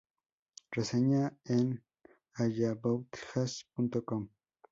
Reseña en allaboutjaz.com